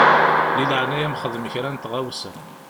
Di leɛnaya-m xdem kra n tɣawsa.